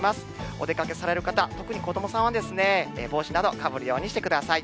お出かけされる方、特に子どもさんは帽子などかぶるようにしてください。